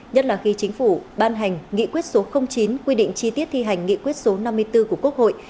nhất là khi chính phủ ban hành nghị quyết số chín quy định chi tiết thi hành nghị quyết số năm mươi bốn của quốc hội